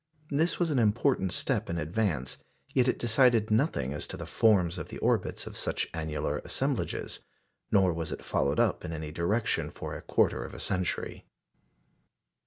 This was an important step in advance, yet it decided nothing as to the forms of the orbits of such annular assemblages; nor was it followed up in any direction for a quarter of a century.